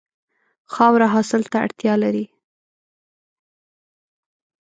خاوره حاصل ته اړتیا لري.